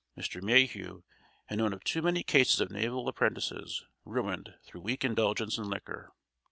Mr. Mayhew had known of too many cases of naval apprentices ruined through weak indulgence in liquor.